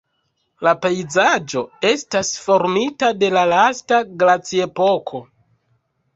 La pejzaĝo estas formita de la lasta glaciepoko.